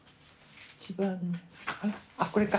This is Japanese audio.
あこれか。